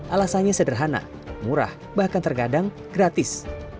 alasannya sederhana murah bahkan terkadang gratis